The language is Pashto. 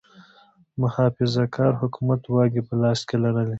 محافظه کار حکومت واګې په لاس کې لرلې.